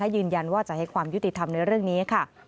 ยืนยันว่าจะให้ความยุติธรรมในเรื่องนี้ค่ะ